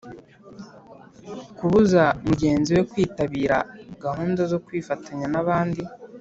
kubuza mugenzi we kwitabira gahunda zo kwifatanya nabandi